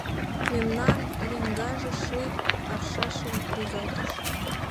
Мемнан еҥгаже ший аршашым рӱзалтыш.